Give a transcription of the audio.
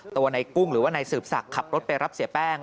ตัวในกุ้งหรือว่านายสืบศักดิ์ขับรถไปรับเสียแป้ง